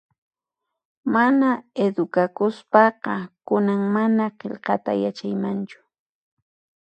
Mana edukakuspaqa kunan mana qillqayta yachaymanchu